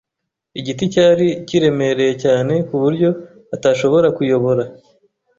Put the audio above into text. Igiti cyari kiremereye cyane kuburyo atashobora kuyobora.